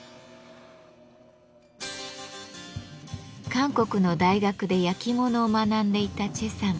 韓国の大学で焼き物を学んでいた崔さん